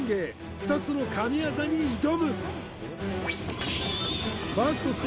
２つの神業に挑む！